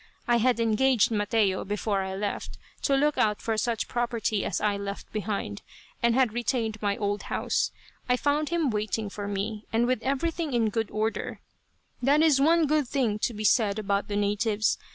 I had engaged Mateo, before I left, to look out for such property as I left behind, and had retained my old house. I found him waiting for me, and with everything in good order. That is one good thing to be said about the natives.